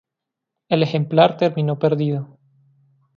El ejemplar terminó perdido.